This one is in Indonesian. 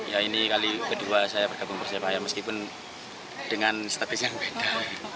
ya ini kali kedua saya bergabung persebaya meskipun dengan status yang beda